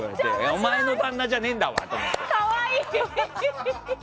お前の旦那じゃねえんだわ！って思って。